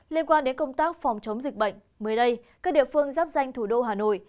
liên quan đến công tác phòng chống dịch bệnh mới đây các địa phương giáp danh thủ đô hà nội